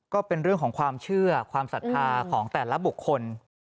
ก็เป็นเรื่องของความเชื่อความศรัทธาของแต่ละบุคคล